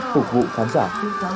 phục vụ khán giả